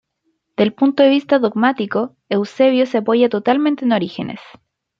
Del punto de vista dogmático, Eusebio se apoya totalmente en Orígenes.